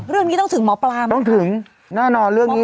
เรื่องนี้ต้องถึงหมอปลาไหมต้องถึงแน่นอนเรื่องนี้